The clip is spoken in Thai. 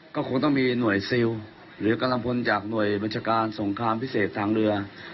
ก็คงต้องมีหน่วยซิลหรือกำลังพลจากหน่วยบัญชาการสงครามพิเศษทางเรือ